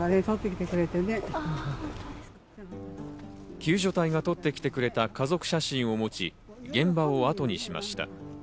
救助隊が取ってきてくれた家族写真を持ち、現場をあとにしました。